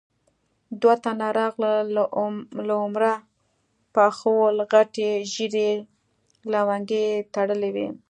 دوه تنه راغلل، له عمره پاخه ول، غټې ژېړې لونګۍ يې تړلې وې.